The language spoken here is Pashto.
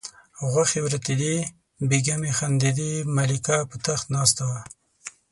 غوښې وریتېدې بیګمې خندېدې ملکه په تخت ناسته وه.